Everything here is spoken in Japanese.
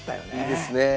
いいですね。